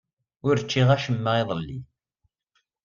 Ur ččiɣ acemma iḍelli.